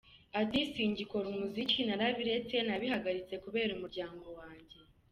Ati “Singikora umuziki narabiretse, nabihagaritse kubera umuryango wanjye.